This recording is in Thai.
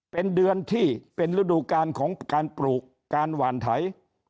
เป็นเดือนที่เป็นฤดูการของการปลูกการหวานไถ